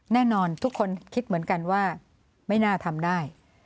แน่นอนทุกคนคิดเหมือนกันว่าไม่น่าทำได้